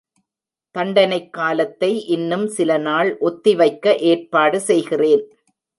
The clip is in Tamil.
தண்டனைக் காலத்தை இன்னும் சில நாள் ஒத்திவைக்க ஏற்பாடு செய்கிறேன்.